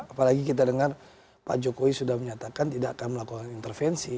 apalagi kita dengar pak jokowi sudah menyatakan tidak akan melakukan intervensi